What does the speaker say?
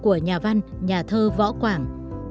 những sắc của nhà văn nhà thơ võ quảng